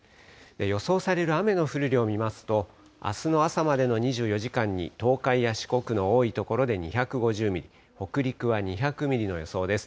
予想される雨の降る量を見ますと、あすの朝までの２４時間に、東海や四国の多い所で２５０ミリ、北陸は２００ミリの予想です。